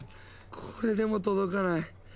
これでも届かない。